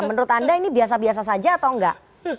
menurut anda ini biasa biasa saja atau enggak